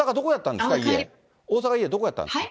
大阪、どこやったんですか？